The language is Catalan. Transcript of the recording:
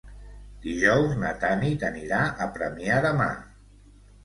Dijous na Tanit anirà a Premià de Mar.